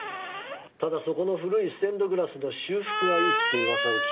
ただそこの古いステンドグラスの修復がいいっていう噂を聞いたもんですからね。